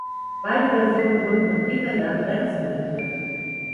Beide Versionen wurden von Peter Jan Rems moderiert.